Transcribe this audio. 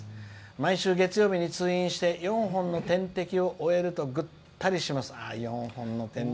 毎週月曜日に通院して４本の点滴を終えるとぐったりします」。